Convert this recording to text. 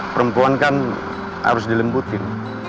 perempuan kan harus dilembutin